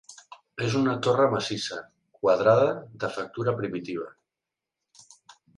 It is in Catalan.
És una torre massissa, quadrada, de factura primitiva.